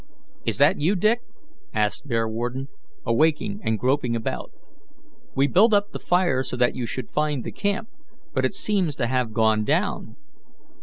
"Is that you, Dick?" asked Bearwarden, awaking and groping about. "We built up the fire so that you should find the camp, but it seems to have gone down."